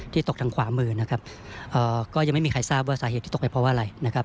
ตกทางขวามือนะครับก็ยังไม่มีใครทราบว่าสาเหตุที่ตกไปเพราะอะไรนะครับ